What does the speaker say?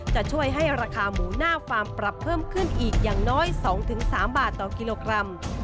จะช่วยให้ราคาหมูหน้าฟาร์มปรับเพิ่มขึ้นอีกอย่างน้อย๒๓บาทต่อกิโลกรัม